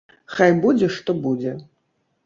Хай будзе што будзе!